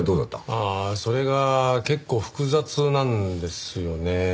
ああそれが結構複雑なんですよね。